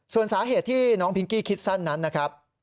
ส่วนสาเหตุที่น้องพิงกี้คิดสั้นนั้นนะครับ